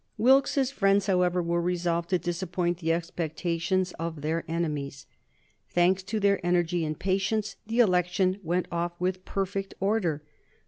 Wilkes's friends, however, were resolved to disappoint the expectations of their enemies. Thanks to their energy and patience, the election went off with perfect order.